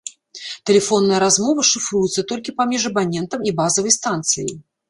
Тэлефонная размова шыфруецца толькі паміж абанентам і базавай станцыяй.